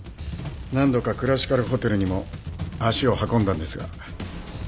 何度かクラシカルホテルにも足を運んだんですが。